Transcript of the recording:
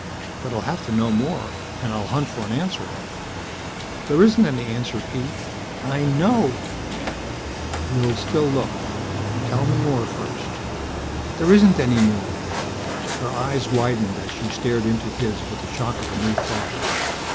But I'll have to know more. And I'll hunt for an answer." "There isn't any answer, Pete. I know." "We'll still look. Tell me more, first." "There isn't any more." Her eyes widened as she stared into his with the shock of a new thought.